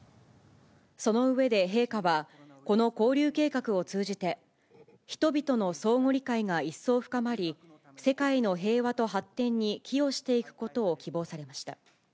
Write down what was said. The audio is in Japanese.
その上で陛下は、この交流計画を通じて、人々の相互理解が一層深まり、世界の平和と発展に寄与していくことを希望されました。